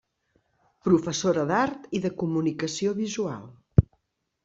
Professora d'art i de comunicació visual.